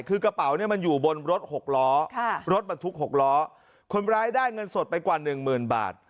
คือกระเป๋าเนี่ยมันอยู่บนรถหกล้อรถบรรทุก๖ล้อคนร้ายได้เงินสดไปกว่าหนึ่งหมื่นบาท